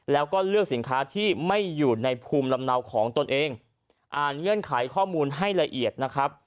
แล้วก็เลือกสินค้าที่ไม่อยู่ในภูมิลำเนาของตนเองอ่านเงื่อนไขข้อมูลให้ละเอียดนะครับ